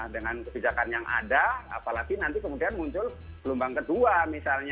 dengan kebijakan yang ada apalagi nanti kemudian muncul gelombang kedua misalnya